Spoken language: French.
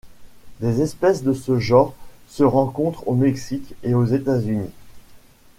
Les espèces de ce genre se rencontrent au Mexique et aux États-Unis.